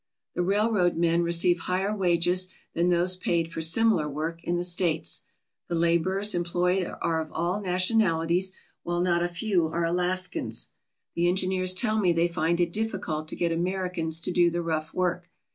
The railroad men receive higher wages than those paid for similar work in the States. The labourers employed are of all nationalities, while not a few are Alaskans. The engineers tell me they find it difficult to get Americans to do the rough work.